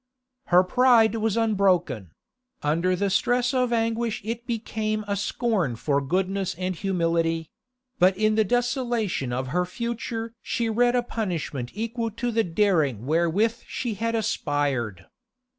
Her pride was unbroken; under the stress of anguish it became a scorn for goodness and humility; but in the desolation of her future she read a punishment equal to the daring wherewith she had aspired.